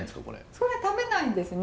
それ食べないんですね。